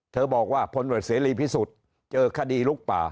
บอกว่าพลตรวจเสรีพิสุทธิ์เจอคดีลุกป่า